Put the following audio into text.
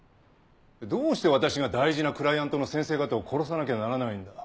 どうして私が大事なクライアントの先生方を殺さなきゃならないんだ。